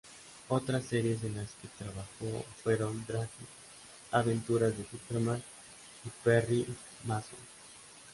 Otras series en las que trabajó fueron "Dragnet", "Aventuras de Superman", y "Perry Mason".